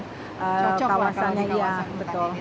mencoklat kalau di kawasan hutan ini